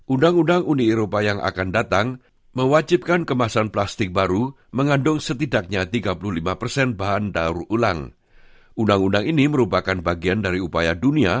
undang undang uni eropa yang akan datang mewajibkan kemasan plastik baru mengandung setidaknya tiga puluh lima persen